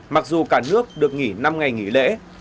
mặc dù cả nước được nghỉ năm ngày nghỉ lễ